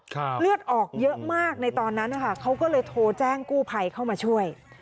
เลือดออกเยอะมากในตอนนั้นนะคะเขาก็เลยโทรแจ้งกู้ภัยเข้ามาช่วย